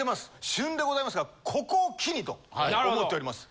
旬でございますがここを機にと思っております。